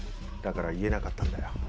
だから言えなかったんだよ。